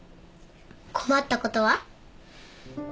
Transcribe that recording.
困ったことは？